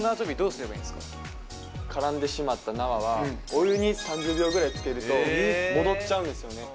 絡んでしまった縄はお湯に３０秒ぐらいつけると戻っちゃうんですよね。